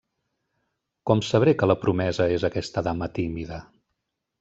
Com sabré que la promesa és aquesta dama tímida?